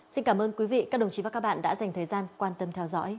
xin cảm ơn quý vị các đồng chí và các bạn đã dành thời gian quan tâm theo dõi